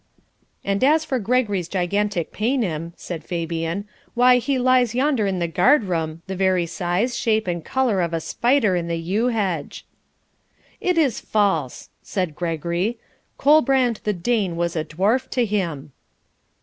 'And as for Gregory's gigantic paynim,' said Fabian, 'why, he lies yonder in the guard room, the very size, shape, and colour of a spider in a yew hedge.' 'It is false!' said Gregory. 'Colbrand the Dane was a dwarf to him.'